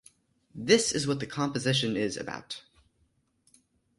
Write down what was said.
This is what the composition is "about".